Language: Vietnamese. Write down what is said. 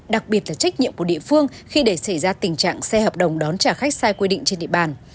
đặc biệt là trách nhiệm của địa phương khi để xảy ra tình trạng xe hợp đồng đón trả khách sai quy định trên địa bàn